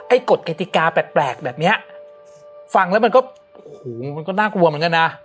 กฎกติกาแปลกแบบเนี้ยฟังแล้วมันก็โอ้โหมันก็น่ากลัวเหมือนกันนะ